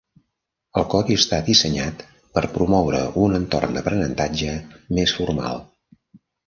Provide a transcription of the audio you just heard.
El codi està dissenyat per promoure un entorn d'aprenentatge més formal.